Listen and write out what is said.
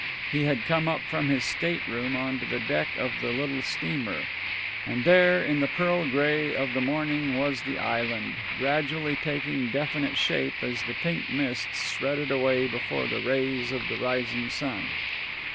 He had come up from his stateroom on to the deck of the little steamer, and there in the pearl gray of the morning was the island, gradually taking definite shape as the pink mists shredded away before the rays of the rising sun.